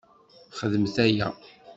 Xedmet aya!